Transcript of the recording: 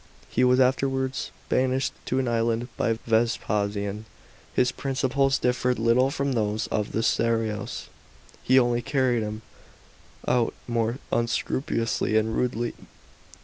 He was afterwards banished to an island by Vespasian. His principles differed little from those of the Stoios ; he only carried them out more unscrupulously and rudely.